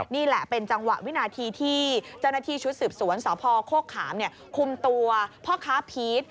นี่แหละเป็นจังหวะวินาทีที่เจ้าหน้าที่ชุดสืบสวนสพโคกขามคุมตัวพ่อค้าพีช